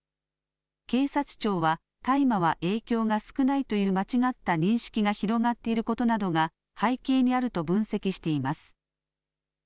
警察庁は大麻は影響が少ないという間違った認識が広がっていることなどが背景にあると分析しています。